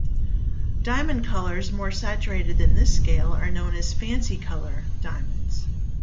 Diamond colors more saturated than this scale are known as "fancy color" diamonds.